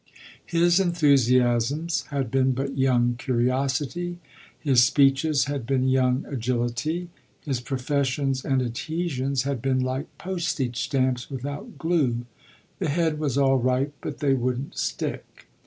His enthusiasms had been but young curiosity, his speeches had been young agility, his professions and adhesions had been like postage stamps without glue: the head was all right, but they wouldn't stick.